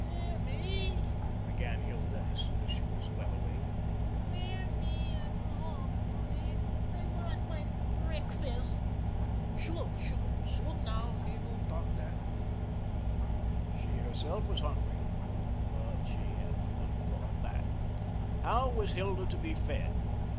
"Mammy," began Hilda as soon as she was well awake; "Mammy, I'm hungry. I want mein breakfest." "Sure, sure, soon now, leedle tochter." She herself was hungry, but she had but little thought of that. How was Hilda to be fed?